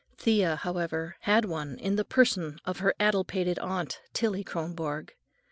Thea, however, had one in the person of her addle pated aunt, Tillie Kronborg.